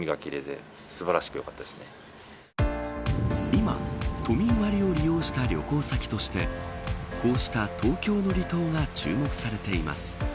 今、都民割を利用した旅行先としてこうした東京の離島が注目されています。